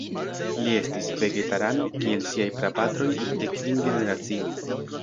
Li estis vegetarano kiel siaj prapatroj de kvin generacioj.